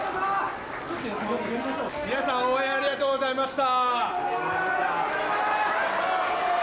皆さん、応援ありがとうございました。